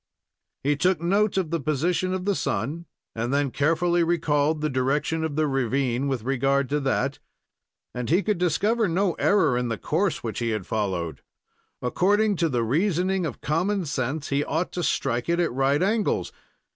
He took note of the position of the sun, and then carefully recalled the direction of the ravine with regard to that, and he could discover no error in the course which he had followed. According to the reasoning of common sense, he ought to strike it at right angles.